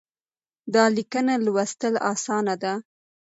دا ليکنه لوستل اسانه ده.